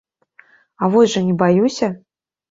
А вось жа не баюся!